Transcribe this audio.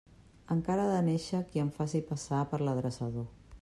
Encara ha de néixer qui em faci passar per l'adreçador.